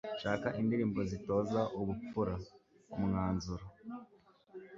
shaka indirimbo zitoza ubupfura) umwanzuro